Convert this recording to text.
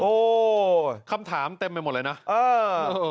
คำถามเต็มไปหมดเลยนะเออ